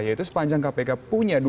yaitu sepanjang kpk punya